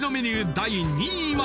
第２位は？